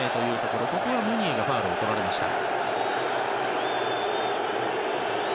ここはムニエがファウルをとられました。